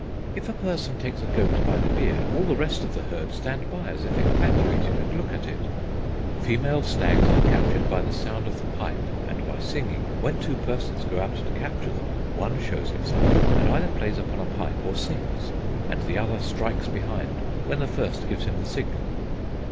"If a person takes a goat by the beard, all the rest of the herd stand by, as if infatuated, and look at it." "Female stags are captured by the sound of the pipe and by singing. When two persons go out to capture them, one shows himself, and either plays upon a pipe or sings, and the other strikes behind, when the first gives him the signal."